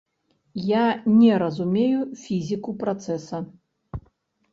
Я не разумею фізіку працэсу.